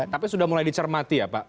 tapi sudah mulai dicermati ya pak